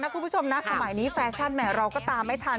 คุณผู้ชมนะสมัยนี้แฟชั่นแห่เราก็ตามไม่ทัน